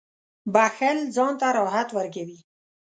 • بښل ځان ته راحت ورکوي.